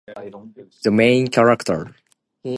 Ahmed: The main character.